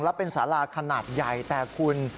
แล้วเป็นสาราขนาดใหญ่แต่คุณ